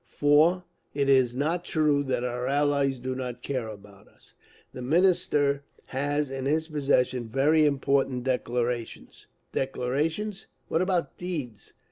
4. It is not true that our Allies do not care about us. The Minister has in his possession very important declarations. (Declarations? What about deeds?